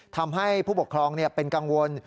ทำให้ผู้ปกครองเป็นกังวล